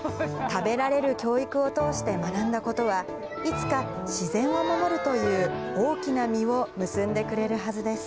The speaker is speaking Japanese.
食べられる教育を通して学んだことは、いつか、自然を守るという大きな実を結んでくれるはずです。